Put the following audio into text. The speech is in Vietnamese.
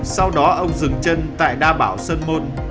sau đó ông dừng chân tại đa bảo sơn môn